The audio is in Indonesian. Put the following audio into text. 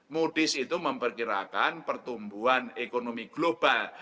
mudis itu memperkirakan pertumbuhan ekonomi global